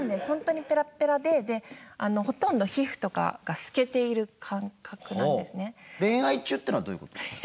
本当にペラッペラでほとんど皮膚とかが透けている感覚なんですね。